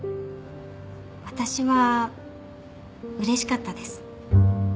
私はうれしかったです。